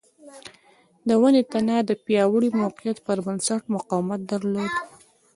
د ونې تنه د پیاوړي موقعیت پر بنسټ مقاومت درلود.